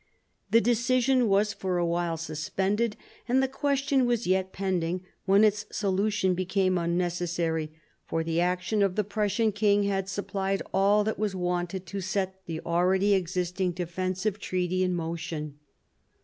The decision was for a while suspended, and the question was yet pending when its solution became unnecessary; for the action of the Prussian king had supplied all that was wanted to set the already existing defensive treaty in motion.